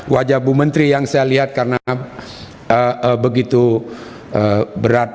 wajah bu menteri yang saya lihat karena begitu berat